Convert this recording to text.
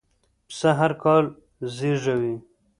پسه هرکال زېږوي.